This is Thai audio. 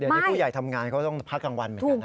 เดี๋ยวนี้ผู้ใหญ่ทำงานเขาต้องพักกลางวันเหมือนกันนะ